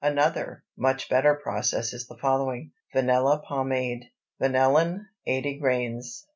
Another, much better process is the following: VANILLA POMADE. Vanillin 80 grains.